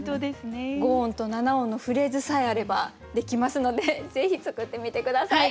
５音と７音のフレーズさえあれば出来ますのでぜひ作ってみて下さい。